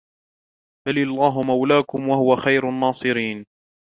بل الله مولاكم وهو خير الناصرين